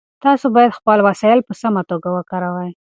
تاسو باید خپل وسایل په سمه توګه وکاروئ.